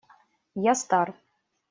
Я стар.